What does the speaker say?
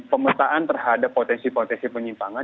pemetaan terhadap potensi potensi penyimpangan